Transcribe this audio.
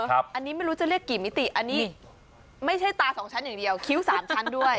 อันนี้ไม่รู้จะเรียกกี่มิติอันนี้ไม่ใช่ตาสองชั้นอย่างเดียวคิ้ว๓ชั้นด้วย